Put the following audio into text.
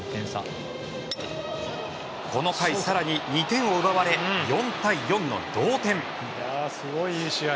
この回、更に２点を奪われ４対４の同点。